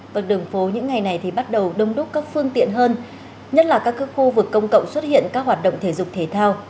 và đường phố những ngày này thì bắt đầu đông đúc các phương tiện hơn nhất là các khu vực công cộng xuất hiện các hoạt động thể dục thể thao